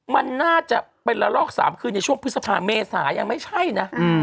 มันน่าจะเป็นระลอก๓คืนในช่วงพฤษภาเมษายังไม่ใช่นะ